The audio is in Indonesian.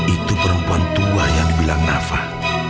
itu perempuan tua yang dibilang nafas